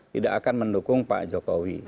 tidak akan mendukung pak jokowi